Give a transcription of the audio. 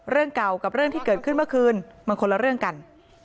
เรื่องเก่ากับเรื่องที่เกิดขึ้นเมื่อคืนมันคนละเรื่องกัน